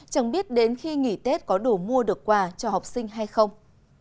chồng biết đến khi nghỉ tết có đủ mua được quà cho học sinh hay không